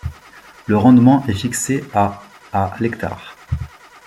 Le rendement est fixé à à l'hectare.